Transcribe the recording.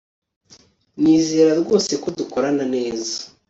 nizera rwose ko dukorana neza